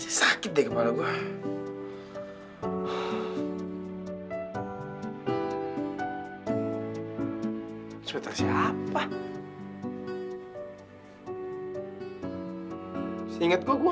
terima kasih berberthonan dengan media media dan sosial media